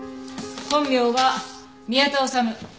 本名は宮田修。